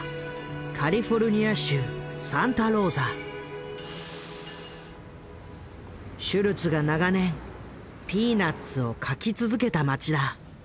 カリフォルニア州シュルツが長年「ピーナッツ」を描き続けた町だ。